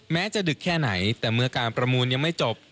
แม้จะดึกแค่ไหนแต่เมื่อการประมูลยังไม่จบ